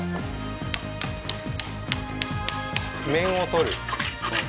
面を取る？